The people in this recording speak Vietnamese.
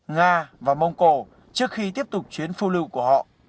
nga và mông cổ trước khi tiếp tục chuyến phô lưu của họ